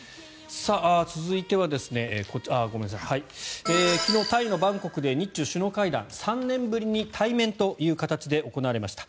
続いては昨日、タイのバンコクで日中首脳会談３年ぶりに対面という形で行われました。